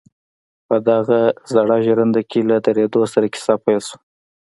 په دغه زړه ژرنده کې له درېدو سره کيسه پيل شوه.